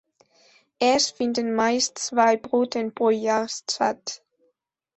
Es finden meist zwei Bruten pro Jahr statt.